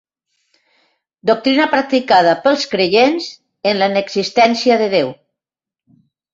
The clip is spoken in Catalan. Doctrina practicada pels creients en la inexistència de Déu.